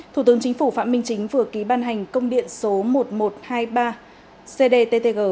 thủ tướng chính phủ phạm minh chính vừa ký ban hành công điện số một nghìn một trăm hai mươi ba cdttg